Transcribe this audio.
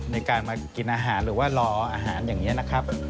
ในการมากินอาหารหรือว่ารออาหารอย่างนี้นะครับ